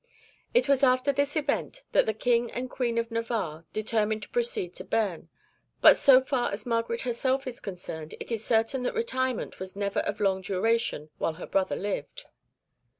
It was after this event that the King and Queen of Navarre determined to proceed to Beam, but so far as Margaret herself is concerned, it is certain that retirement was never of long duration whilst her brother lived.